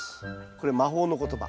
これ魔法の言葉。